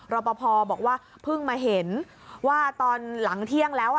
รอปภบอกว่าเพิ่งมาเห็นว่าตอนหลังเที่ยงแล้ว